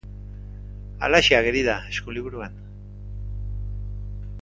Halaxe ageri da Eskuliburuan.